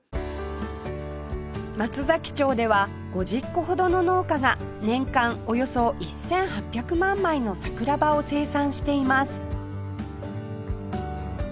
松崎町では５０戸ほどの農家が年間およそ１８００万枚の桜葉を生産しています